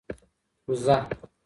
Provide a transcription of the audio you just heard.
وزه 🐐